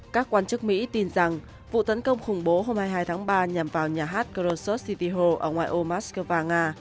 các quan chức mỹ tin rằng vụ tấn công khủng bố hôm hai mươi hai tháng ba nhằm vào nhà hát krosos city hall ở ngoại ô moscow nga